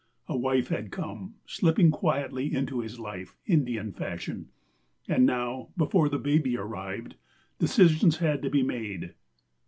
A wife had come, slipping quietly into his life, Indian fashion; and now, before the baby arrived, decisions had to be made.